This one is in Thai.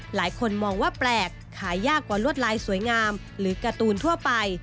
หลายคนมองว่าแปลกขายยากกว่าลวดลายสวยงามหรือการ์ตูนทั่วไป